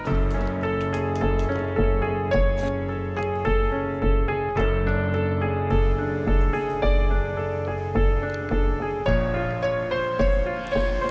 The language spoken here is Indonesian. jadi minta keluar pigeonimoto ini